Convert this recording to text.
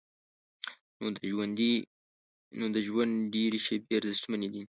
نو د ژوند ډېرې شیبې ارزښتمنې دي.